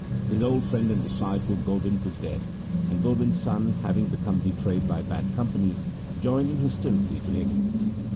His old friend and disciple Gobind was dead, and Gobind's son, having become depraved by bad company, joined in hostility to him.